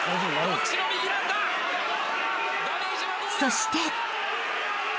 ［そして］